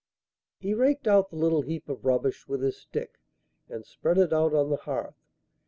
He raked out the little heap of rubbish with his stick and spread it out on the hearth.